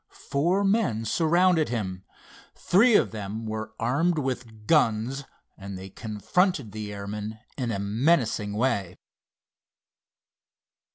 Four men surrounded him. Three of them were armed with guns, and they confronted the airman in a menacing way.